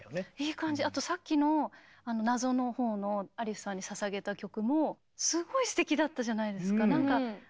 あとさっきの「謎」のほうのアリスさんにささげた曲もすごいすてきだったじゃないですか。